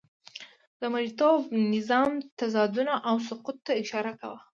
د مرئیتوب نظام تضادونه او سقوط ته اشاره کوو.